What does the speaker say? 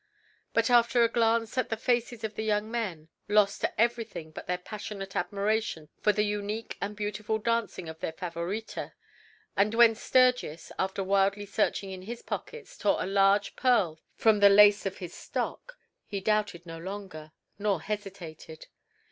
But after a glance at the faces of the young men, lost to everything but their passionate admiration for the unique and beautiful dancing of their Favorita, and when Sturgis, after wildly searching in his pockets, tore a large pearl from the lace of his stock, he doubted no longer nor hesitated.